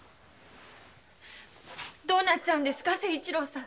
どうなっちゃうんですか清一郎さん。